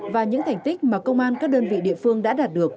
và những thành tích mà công an các đơn vị địa phương đã đạt được